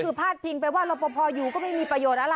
คือพาดพิงไปว่ารอปภอยู่ก็ไม่มีประโยชน์อะไร